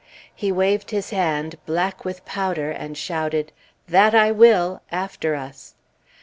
He waved his hand, black with powder, and shouted, "That I will!" after us.